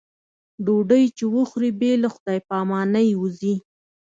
ډوډۍ چې وخوري بې له خدای په امانۍ وځي.